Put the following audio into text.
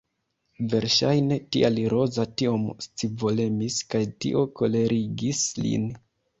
Verŝajne tial Roza tiom scivolemis kaj tio kolerigis lin.